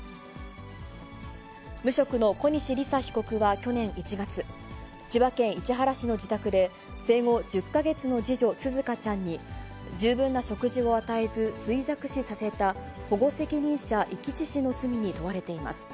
無職の小西理紗被告は去年１月、千葉県市原市の自宅で、生後１０か月の次女、紗花ちゃんに十分な食事を与えず衰弱死させた保護責任者遺棄致死の罪に問われています。